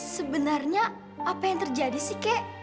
sebenarnya apa yang terjadi sih kek